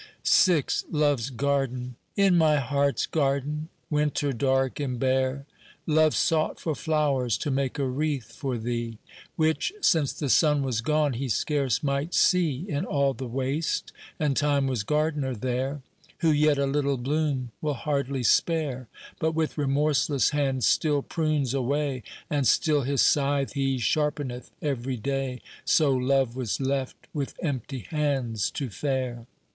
VI LOVE'S GARDEN IN my heart's garden, winter dark and bare, Love sought for flowers to make a wreath for thee, Which, since the sun was gone, he scarce might see In all the waste, and Time was gardener there, Who yet a little bloom will hardly spare, But with remorseless hand still prunes away, And still his scythe he sharpeneth every day; So Love was left with empty hands to fare.